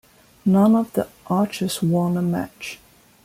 None of the archers won a match.